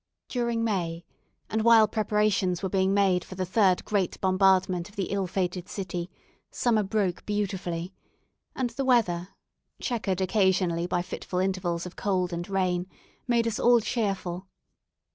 During May, and while preparations were being made for the third great bombardment of the ill fated city, summer broke beautifully, and the weather, chequered occasionally by fitful intervals of cold and rain, made us all cheerful.